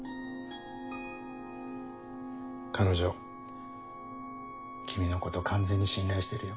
彼女君のこと完全に信頼してるよ。